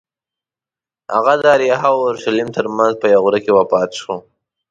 هغه د اریحا او اورشلیم ترمنځ په یوه غره کې وفات شو.